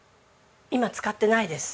今使ってないです。